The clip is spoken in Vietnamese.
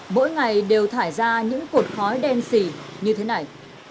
mỗi ngày đều thải ra những cột khói đen xì như thế này